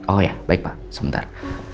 oh ya baik pak sebentar